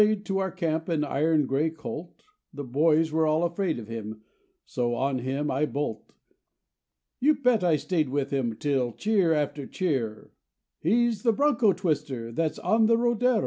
There strayed to our camp an iron gray colt; The boys were all fraid him so on him I bolt. You bet I stayed with him till cheer after cheer, "He's the broncho twister that's on the rodero."